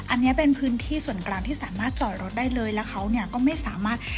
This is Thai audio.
อันนี้เป็นพื้นที่ส่วนกลางที่สามารถจอดรถได้เลยแล้วเขาเนี่ยก็ไม่สามารถ